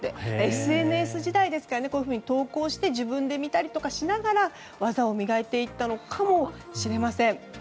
ＳＮＳ時代ですからこういうふうに投稿して自分で見たりとかしながら技を磨いていったのかもしれません。